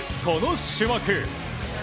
この種目。